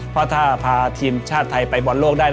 เพราะถ้าพาทีมชาติไทยไปบอลโลกได้